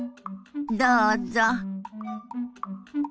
どうぞ。